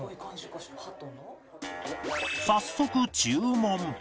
早速注文